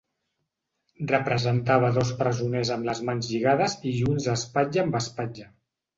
Representava dos presoners amb les mans lligades i junts espatlla amb espatlla.